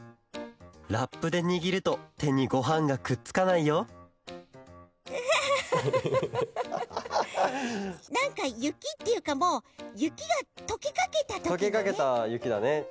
ラップでにぎるとてにごはんがくっつかないよなんかゆきっていうかもうゆきがとけかけたときだね。